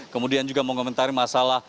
kemudian juga mengomentari masalah